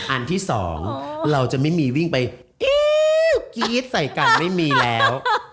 อันที่สองเราจะไม่มีวิ่งไปอี๊ดใส่กันไม่มีแล้ว